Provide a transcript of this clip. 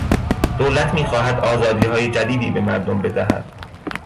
دولت میخواهد آزادیهای جدیدی به مردم بدهد.